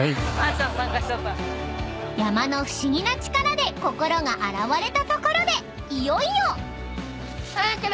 ［山の不思議な力で心が洗われたところでいよいよ］早く！